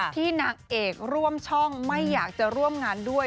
นางเอกร่วมช่องไม่อยากจะร่วมงานด้วย